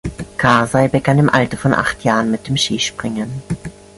Kasai begann im Alter von acht Jahren mit dem Skispringen.